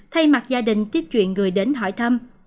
thay mặt gia đình tiếp truyện người đến hỏi thăm